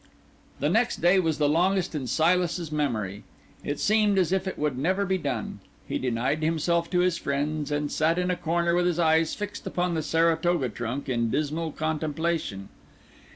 The next day was the longest in Silas's memory; it seemed as if it would never be done. He denied himself to his friends, and sat in a corner with his eyes fixed upon the Saratoga trunk in dismal contemplation.